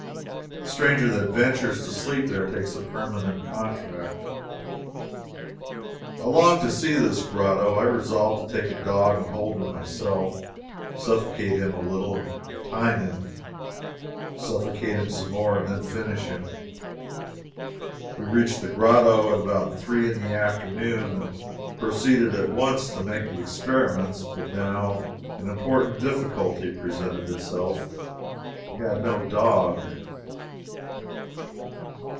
The stranger that ventures to sleep there takes a permanent contract. I longed to see this grotto. I resolved to take a dog and hold him myself; suffocate him a little, and time him; suffocate him some more and then finish him. We reached the grotto at about three in the afternoon, and proceeded at once to make the experiments. But now, an important difficulty presented itself. We had no dog.